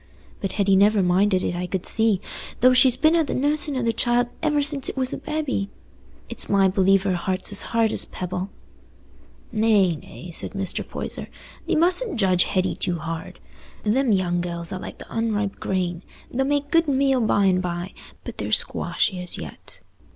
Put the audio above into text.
But Hetty never minded it, I could see, though she's been at the nussin' o' the child ever since it was a babby. It's my belief her heart's as hard as a pebble." "Nay, nay," said Mr. Poyser, "thee mustn't judge Hetty too hard. Them young gells are like the unripe grain; they'll make good meal by and by, but they're squashy as yet.